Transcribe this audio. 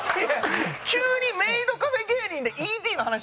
急にメイドカフェ芸人でＥＤの話しないから！